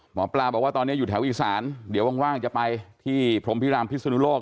หมอปลาบอกว่าตอนนี้อยู่แถวอีสานเดี๋ยวว่างจะไปที่พรมพิรามพิศนุโลก